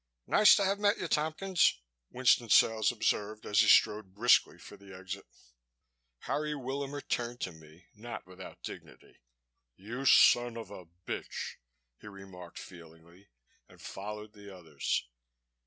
"Nice to have met you, Tompkins," Winston Sales observed as he strode briskly for the exit. Harry Willamer turned to me, not without dignity. "You son of a bitch!" he remarked feelingly, and followed the others.